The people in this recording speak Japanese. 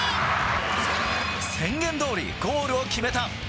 宣言どおりゴールを決めた。